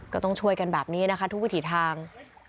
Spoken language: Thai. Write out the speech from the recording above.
ก็ต้องช่วยกันแบบนี้นะคะทุกวิถีทาง